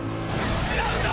違うんだ。